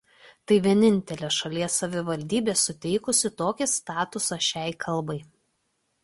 Tai vienintelė šalies savivaldybė suteikusi tokį statusą šiai kalbai.